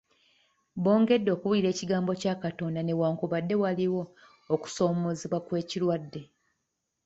Bongedde okubuulira ekigambo kya Katonda newankubadde waliwo okusoomozebwa kw'ekirwadde.